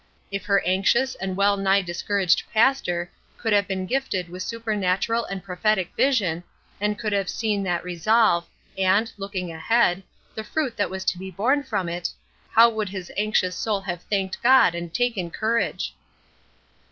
If her anxious and well nigh discouraged pastor could have been gifted with supernatural and prophetic vision, and could have seen that resolve, and, looking ahead, the fruit that was to be borne from it, how would his anxious soul have thanked God and taken courage!